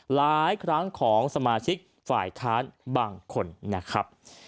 หลายครั้งของสมาชิกฝ่ายค้านบางคนนะครับ